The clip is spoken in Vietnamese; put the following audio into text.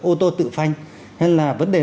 ô tô tự phanh hay là vấn đề